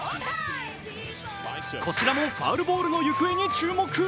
こちらもファウルボールの行方に注目。